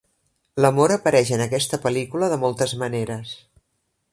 L'amor apareix en aquesta pel·lícula de moltes maneres.